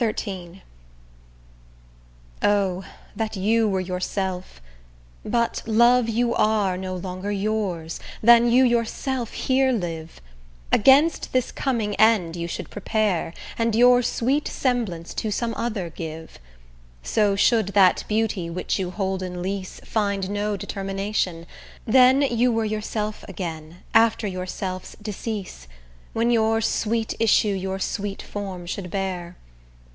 XIII O! that you were your self; but, love you are No longer yours, than you yourself here live: Against this coming end you should prepare, And your sweet semblance to some other give: So should that beauty which you hold in lease Find no determination; then you were Yourself again, after yourself's decease, When your sweet issue your sweet form should bear.